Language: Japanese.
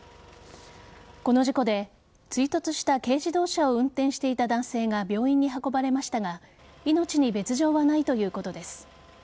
この事故で追突した軽自動車を運転していた男性が病院に運ばれましたが命に別条はないということです。